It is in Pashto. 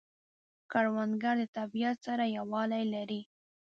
کروندګر د طبیعت سره یووالی لري